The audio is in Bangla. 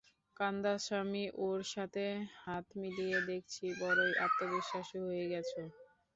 কান্দাসামি, ওর সাথে হাত মিলিয়ে দেখছি বড়োই আত্মবিশ্বাসী হয়ে গেছো।